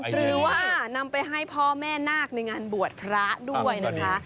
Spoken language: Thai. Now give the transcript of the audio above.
หรือว่านำไปให้พ่อแม่นาคในงานบวชพระด้วยนะคะ